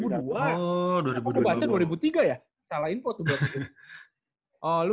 oh dua ribu dua kenapa lu baca dua ribu tiga ya salah info tuh berarti